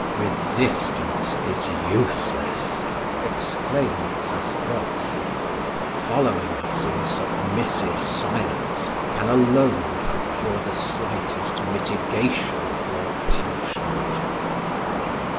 "Resistance is useless," exclaimed Zastrozzi; "following us in submissive silence can alone procure the slightest mitigation of your punishment."